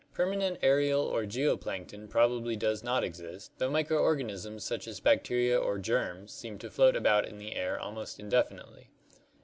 Permanent aerial or geo plankton probably does not exist, though microorganisms such as bacteria or "germs" seem to float about in the air almost indefinitely.